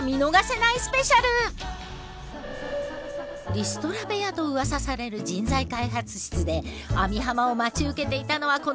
リストラ部屋とうわさされる人材開発室で網浜を待ち受けていたのはこの３人。